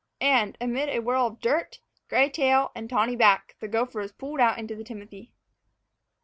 And, amid a whirl of dirt, gray tail, and tawny back, the gopher was pulled out into the timothy.